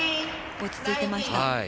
落ち着いていました。